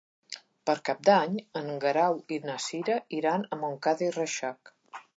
Per Cap d'Any en Guerau i na Cira iran a Montcada i Reixac.